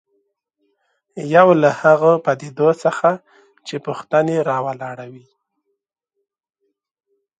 یو له هغو پدیدو څخه چې پوښتنې راولاړوي.